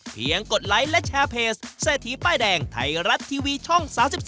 กดไลค์และแชร์เพจเศรษฐีป้ายแดงไทยรัฐทีวีช่อง๓๒